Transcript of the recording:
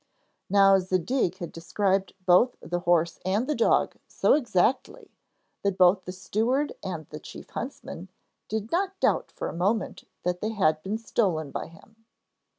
Now Zadig had described both the horse and the dog so exactly that both the steward and the chief huntsman did not doubt for a moment that they had been stolen by him.